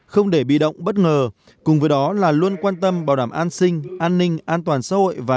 không để bị động bất ngờ cùng với đó là luôn quan tâm bảo đảm an sinh an ninh an toàn xã hội và